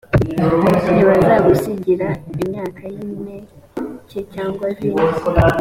ntibazagusigira imyaka y’ impeke cyangwa vino